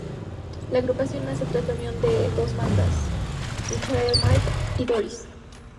La agrupación nace tras la unión de dos bandas: Michael Mike y Doris.